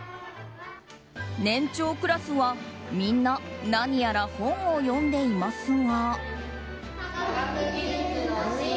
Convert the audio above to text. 年長クラスはみんな何やら本を読んでいますが。